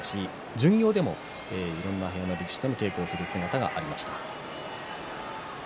巡業でも、いろんな部屋の力士と稽古をすることがありました。